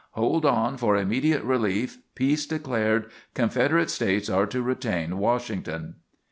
"Hold on for immediate relief. Peace declared. Confederate States are to retain Washington."